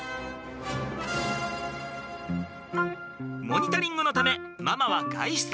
モニタリングのためママは外出。